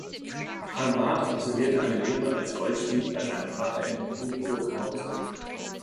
Carl Barth absolvierte eine Lehre als Goldschmied bei seinem Vater in Hildburghausen.